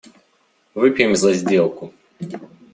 Выпьем за сделку.